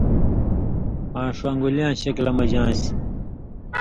آں ݜُو انگولِیاں شکلہ مژ آن٘سیۡ۔